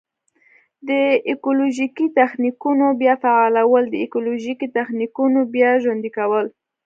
د ایکولوژیکي تخنیکونو بیا فعالول: د ایکولوژیکي تخنیکونو بیا ژوندي کول.